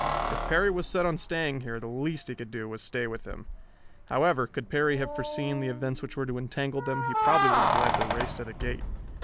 If Perry was set on staying here the least he could do was stay with him. However, could Perry have foreseen the events which were to entangle them, he probably would have led the race to the gate.